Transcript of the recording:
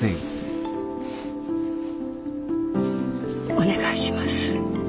お願いします。